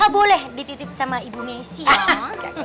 boleh dititip sama ibu messi